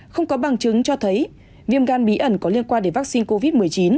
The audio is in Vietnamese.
không có bằng chứng cho thấy viêm gan bí ẩn có liên quan đến vaccine covid một mươi chín